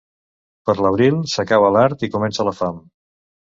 Per l'abril s'acaba l'art i comença la fam.